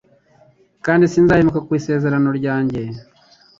kandi sinzahemuka ku Isezerano ryanjye